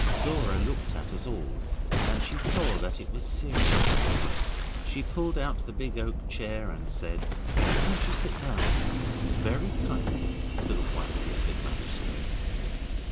Dora looked at us all, and she saw that it was serious. She pulled out the big oak chair and said, 'Won't you sit down?' very kindly to the white whiskered magistrate.